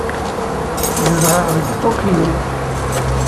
Zedɣeɣ deg Tokyo.